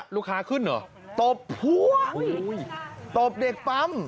ลูกค้าขึ้นเหรอตบพวงตบเด็กปั๊ม